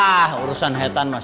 ah urusan hetan mas